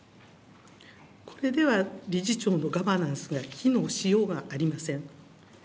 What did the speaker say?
これでは理事長のガバナンスが機能しようがありません。